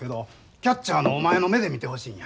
キャッチャーのお前の目で見てほしいんや。